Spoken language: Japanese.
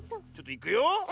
ちょっといくよ。